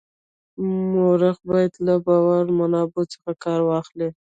مورخ باید له باوري منابعو څخه کار واخلي.